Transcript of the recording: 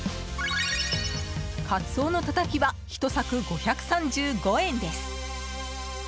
カツオのたたきは１柵５３５円です。